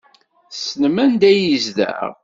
Tessnem anda ay yezdeɣ?